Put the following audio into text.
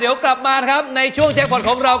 เดี๋ยวกลับมาครับในช่วงแจ็คพอร์ตของเรา